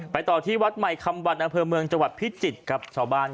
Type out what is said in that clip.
ต่อที่วัดใหม่คำวันอำเภอเมืองจังหวัดพิจิตรครับชาวบ้าน